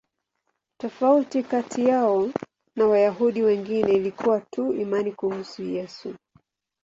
Tofauti kati yao na Wayahudi wengine ilikuwa tu imani kuhusu Yesu.